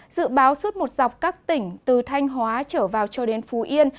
dự báo suốt một dọc các tỉnh từ thanh hóa trở vào cho đến phú yên